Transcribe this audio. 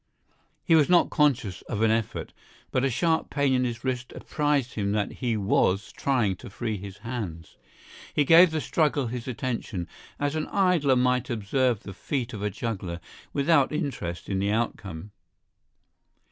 He was not conscious of an effort, but a sharp pain in his wrist apprised him that he was trying to free his hands. He gave the struggle his attention, as an idler might observe the feat of a juggler, without interest in the outcome.